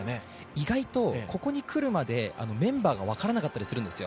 意外と、ここに来るまでメンバーが分からなかったりするんですよ。